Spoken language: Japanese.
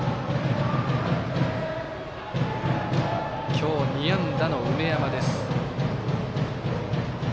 今日２安打の梅山です。